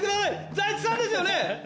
財津さんですよね？